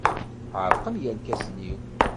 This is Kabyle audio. Ɛerqen yirkasen-iw.